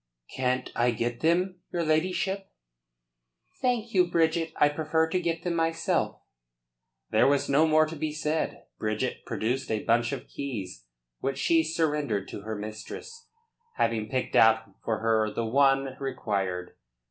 "Can't I get them, your ladyship?" "Thank you, Bridget. I prefer to get them, myself." There was no more to be said. Bridget produced a bunch of keys, which she surrendered to her mistress, having picked out for her the one required.